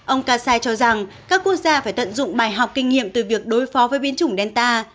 ông kasai cho rằng các quốc gia phải tận dụng bài học kinh nghiệm từ việc đối phó với biến chủng delta